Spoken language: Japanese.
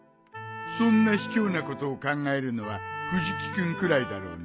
そんなひきょうなことを考えるのは藤木君くらいだろうね。